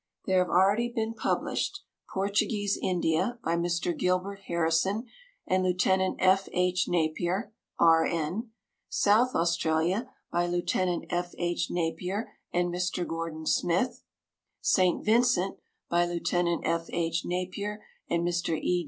There have already been published: Portuguese India, by Mr. Gilbert Harrison and Lieut. F. H. Napier, R.N.; South Australia, by Lieut. F. H. Napier and Mr. Gordon Smith; St. Vincent, by Lieut. F. H. Napier and Mr. E.